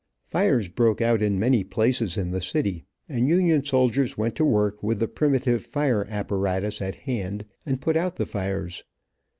Fires broke out in many places in the city, and Union soldiers went to work with the primitive fire apparatus at hand and put out the fires.